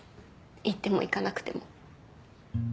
行っても行かなくても。